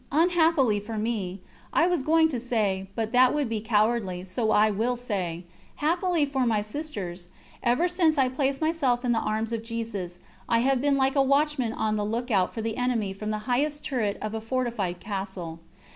Unhappily for me I was going to say, but that would be cowardly, so I will say happily for my Sisters, ever since I placed myself in the Arms of Jesus I have been like a watchman on the look out for the enemy from the highest turret of a fortified castle.